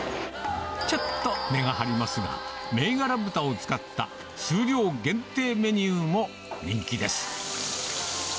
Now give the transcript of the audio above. ちょっと値が張りますが、銘柄豚を使った数量限定メニューも人気です。